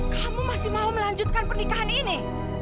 kamu masih mau melanjutkan pernikahan ini